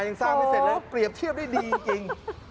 ยังสร้างไม่เสร็จเลยเปรียบเทียบได้ดีจริง